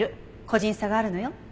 個人差があるのよ。